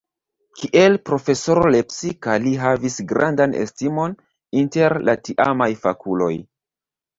Kiel profesoro lepsika li havis grandan estimon inter la tiamaj fakuloj.